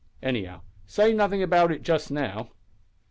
Anyhow, say nothing about it just now."